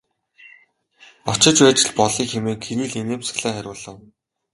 Очиж байж л болъё хэмээн Кирилл инээмсэглэн хариулав.